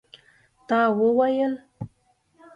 تا وویل?